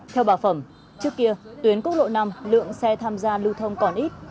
theo bà phẩm trước kia tuyến quốc lộ năm lượng xe tham gia lưu thông còn ít